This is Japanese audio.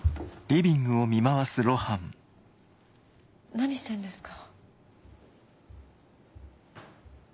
何してるんですか？